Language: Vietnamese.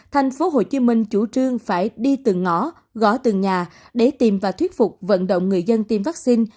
tp hcm chủ trương phải đi từng ngõ gõ từng nhà để tìm và thuyết phục vận động người dân tiêm vaccine